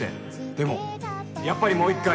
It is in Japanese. でもやっぱりもう一回